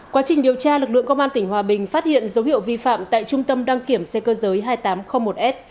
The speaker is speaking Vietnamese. quá trình điều tra lực lượng công an tỉnh hòa bình phát hiện dấu hiệu vi phạm tại trung tâm đăng kiểm xe cơ giới hai nghìn tám trăm linh một s